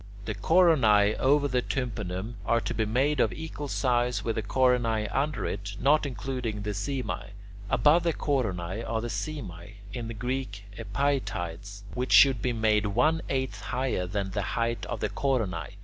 The coronae over the tympanum are to be made of equal size with the coronae under it, not including the simae. Above the coronae are the simae (in Greek [Greek: epaietides]), which should be made one eighth higher than the height of the coronae.